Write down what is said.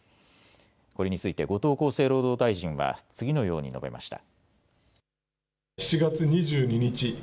これについて後藤厚生労働大臣は次のように述べました。